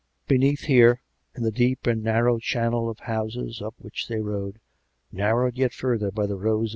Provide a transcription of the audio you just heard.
Beneath here, in the deep and narrow chan nel of houses up which they rode, narrowed yet further 144 COME RACK! COME ROPE! by the rows?